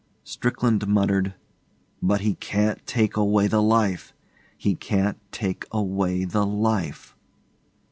Strickland muttered, 'But he can't take away the life! He can't take away the life!